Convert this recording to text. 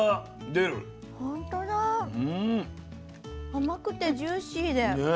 甘くてジューシーで。ね。